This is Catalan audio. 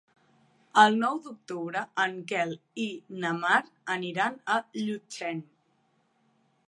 El nou d'octubre en Quel i na Mar aniran a Llutxent.